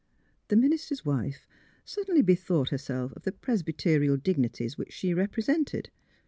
" The minister's wife suddenly bethought herself of the Presbyterial dignities which she repre sented.